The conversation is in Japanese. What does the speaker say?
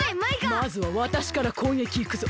まずはわたしからこうげきいくぞ。